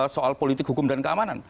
soal politik hukum dan keamanan